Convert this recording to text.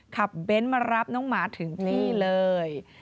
เบ้นมารับน้องหมาถึงนี่เลย